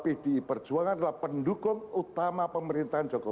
ketika pak jokowi kemudian bersama sama membangun bersama sama